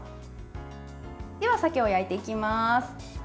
では、鮭を焼いていきます。